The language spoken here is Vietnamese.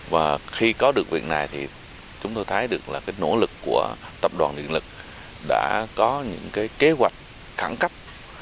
và khi có được việc này thì chúng tôi thấy được là cái nỗ lực của tập đoàn điện lực đã có những cái kế hoạch khẳng cấp